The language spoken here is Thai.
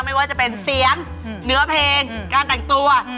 ไม่ว่าจะเป็นเสียงเนื้อเพลงการแต่งตัว